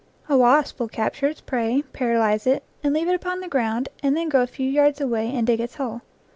A wasp will capture its prey, paralyze it, and leave it upon the ground and then go a few yards away and dig its hole.